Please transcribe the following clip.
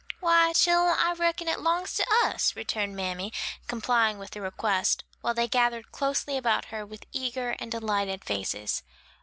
"Why, chillen, I reckon it 'longs to us," returned mammy, complying with the request, while they gathered closely about her with eager and delighted faces.